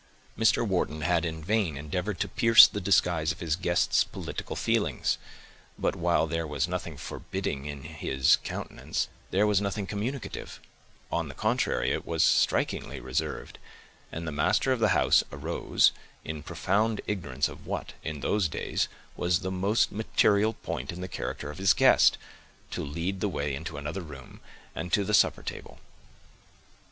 Mr. Wharton had in vain endeavored to pierce the disguise of his guest's political feelings; but, while there was nothing forbidding in his countenance, there was nothing communicative; on the contrary it was strikingly reserved; and the master of the house arose, in profound ignorance of what, in those days, was the most material point in the character of his guest, to lead the way into another room, and to the supper table.